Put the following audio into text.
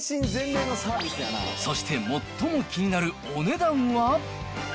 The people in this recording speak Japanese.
そして最も気になるお値段は？